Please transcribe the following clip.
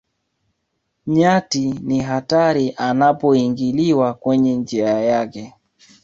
nyati ni hatari anapoingiliwa kwenye njia yake